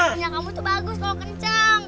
minyak kamu tuh bagus kalau kencang